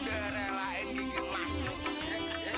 jangan lebar mulutnya